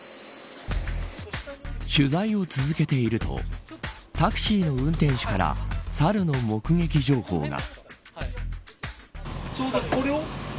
取材を続けているとタクシーの運転手からサルの目撃情報が。